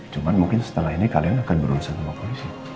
cuma mungkin setelah ini kalian akan berurusan sama polisi